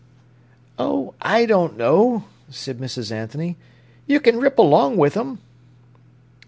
"Oh, I don't know," said Mrs. Anthony. "You can rip along with 'em."